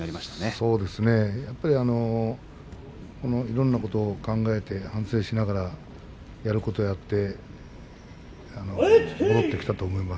そうですね、やっぱりいろんなことを考えて反省しながら、やることをやって戻ってきたと思います。